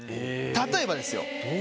例えばですよ